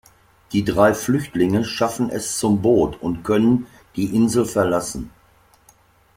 Die drei Flüchtlinge schaffen es zum Boot und können die Insel verlassen.